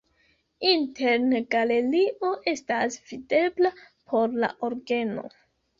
Interne galerio estas videbla por la orgeno.